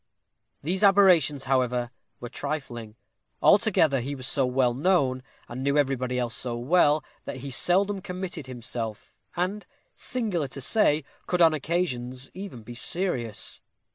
These aberrations, however, were trifling; altogether he was so well known, and knew everybody else so well, that he seldom committed himself; and, singular to say, could on occasions even be serious.